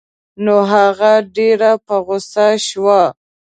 نو هغه ډېره په غوسه شوه.